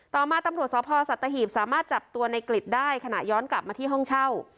ต่อมาตำรวจสพสัตหีบสามารถจับตัวในกลิดได้ขณะย้อนกลับมาที่ห้องเช่า